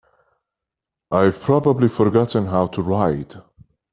I've probably forgotten how to ride.